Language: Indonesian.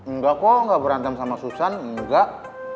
enggak kok nggak berantem sama susan enggak